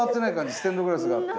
ステンドグラスがあって。